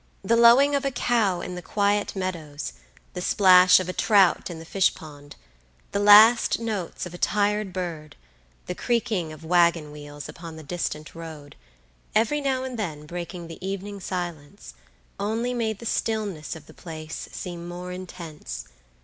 The lowing of a cow in the quiet meadows, the splash of a trout in the fish pond, the last notes of a tired bird, the creaking of wagon wheels upon the distant road, every now and then breaking the evening silence, only made the stillness of the place seem more intense.